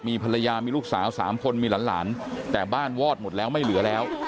มีภรรยามีลูกสาว๓คนมีหลานแต่บ้านวอดหมดแล้วไม่เหลือแล้ว